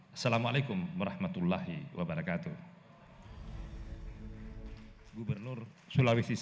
assalamu alaikum warahmatullahi wabarakatuh